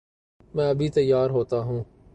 میں ابھی تیار ہو تاہوں